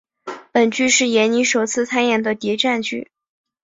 本剧是闫妮首次参演的谍战剧。